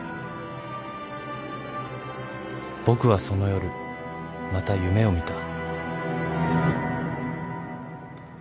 僕はその夜また夢を見た。